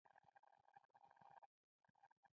د ښو اخلاقو ښوونه د ټولنې فخر دی.